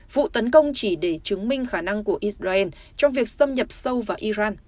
vụ tấn công chỉ để chứng minh khả năng của israel trong việc xâm nhập sâu vào iran